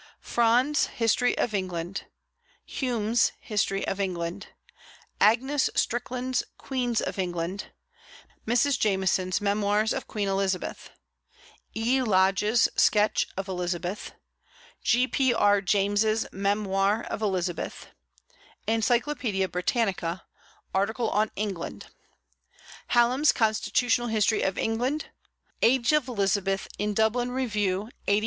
Fronde's History of England; Hume's History of England; Agnes Strickland's Queens of England; Mrs. Jameson's Memoirs of Queen Elizabeth; E. Lodge's Sketch of Elizabeth; G.P.R. James's Memoir of Elizabeth; Encyclopaedia Britannica, article on England: Hallam's Constitutional History of England; "Age of Elizabeth," in Dublin Review, lxxxi.